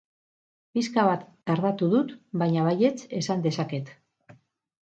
Pixka bat tardatu dut, baina baietz esan dezaket.